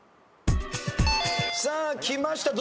さあきました。